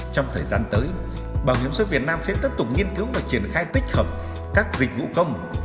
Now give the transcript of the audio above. trong thời gian tới bảo hiểm xã hội việt nam sẽ tiếp tục nghiên cứu và triển khai tích hợp các dịch vụ công